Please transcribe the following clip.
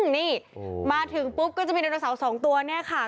นี่มาถึงปุ๊บก็จะมีไดโนเสาร์๒ตัวเนี่ยค่ะ